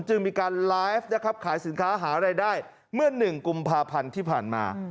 จึงมีการไลฟ์นะครับขายสินค้าหารายได้เมื่อ๑กุมภาพันธ์ที่ผ่านมา